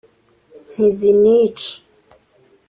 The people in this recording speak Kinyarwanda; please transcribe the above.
ntizinica